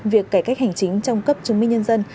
việc cải cách hành chính trong cấp chứng minh nhân dân